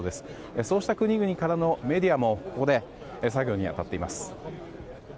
そうした国々からのメディアも、ここで作業に当たっています。